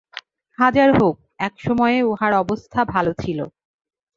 হাজার হউক, একসময়ে উহার অবস্থা ভালো ছিল।